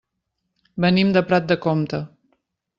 Venim de Prat de Comte.